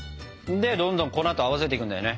でどんどん粉と合わせていくんだよね。